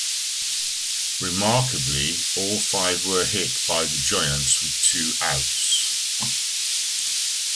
Remarkably, all five were hit by the Giants with two outs.